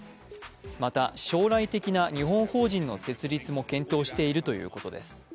また、将来的な日本法人の設立も検討しているということです。